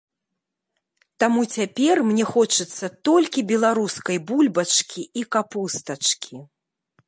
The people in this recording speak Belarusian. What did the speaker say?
Таму цяпер мне хочацца толькі беларускай бульбачкі і капустачкі.